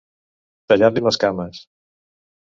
Tallar-li les cames.